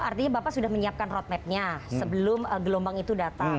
artinya bapak sudah menyiapkan roadmapnya sebelum gelombang itu datang